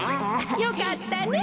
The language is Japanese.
よかったね。